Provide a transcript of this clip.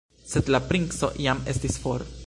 Sed la princo jam estis for.